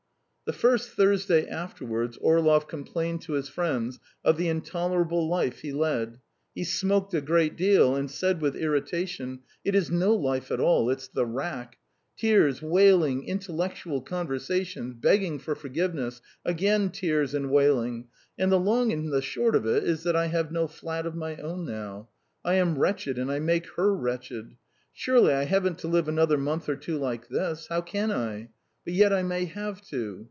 The first Thursday afterwards Orlov complained to his friends of the intolerable life he led; he smoked a great deal, and said with irritation: "It is no life at all; it's the rack. Tears, wailing, intellectual conversations, begging for forgiveness, again tears and wailing; and the long and the short of it is that I have no flat of my own now. I am wretched, and I make her wretched. Surely I haven't to live another month or two like this? How can I? But yet I may have to."